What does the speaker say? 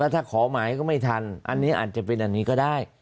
ถ้าขอหมายก็ไม่ทันอันนี้อาจจะเป็นอันนี้ก็ได้